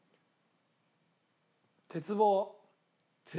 鉄棒。